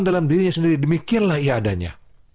dalam dirinya sendiri demikianlah ia adanya